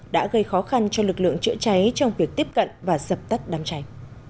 đã gây khó khăn cho lực lượng chữa cháy trong việc tiếp cận và dập tắt đám cháy